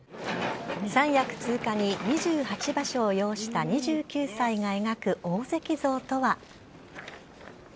三役通過に２８場所を要した２９歳が描く大関像とは。